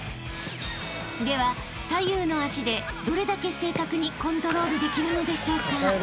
［では左右の足でどれだけ正確にコントロールできるのでしょうか？］